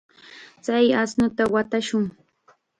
Chay ashnuta watashun.